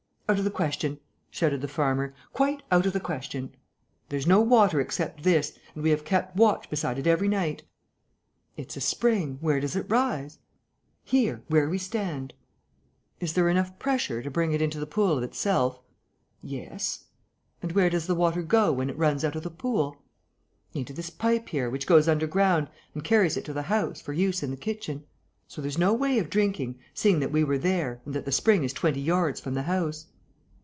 "Out of the question!" shouted the farmer. "Quite out of the question! There's no water except this; and we have kept watch beside it every night." "It's a spring. Where does it rise?" "Here, where we stand." "Is there enough pressure to bring it into the pool of itself?" "Yes." "And where does the water go when it runs out of the pool?" "Into this pipe here, which goes under ground and carries it to the house, for use in the kitchen. So there's no way of drinking, seeing that we were there and that the spring is twenty yards from the house."